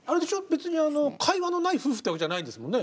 別に会話のない夫婦ってわけじゃないですもんね。